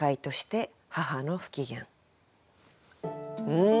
うん。